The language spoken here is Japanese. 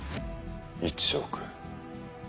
１億？